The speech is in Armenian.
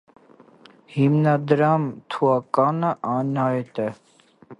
Հիմնադրման թուականը անյայտ է։